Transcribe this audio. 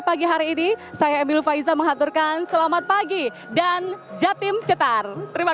pada hari ini kita berkongsi tentang jawa timur